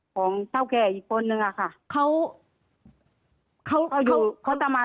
ของเท่าแก่อีกคนนึงอะค่ะเขาเขาอยู่เขาจะมา